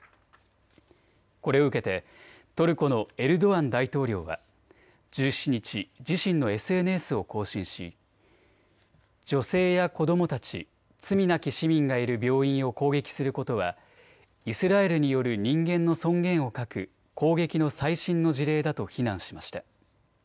これを受けてトルコのエルドアン大統領は１７日、自身のＳＮＳを更新し女性や子どもたち、罪なき市民がいる病院を攻撃することはイスラエルによる人間の尊厳を欠く攻撃の最新の事例だと非難しました。